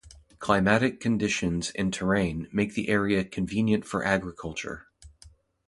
Climatic conditions and terrain make the area convenient for agriculture.